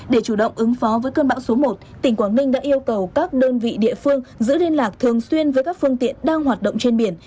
để chủ động ứng phó với cơn bão số một tỉnh quảng ninh đã yêu cầu các đơn vị địa phương giữ liên lạc thường xuyên với các phương tiện đang hoạt động trên biển